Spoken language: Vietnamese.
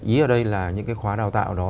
ý ở đây là những cái khóa đào tạo đó